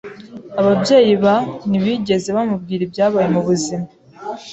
Ababyeyi ba ntibigeze bamubwira ibyabaye mubuzima.